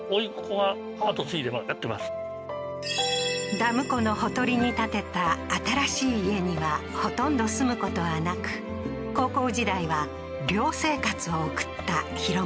ダム湖のほとりに建てた新しい家にはほとんど住むことはなく高校時代は寮生活を送った弘さん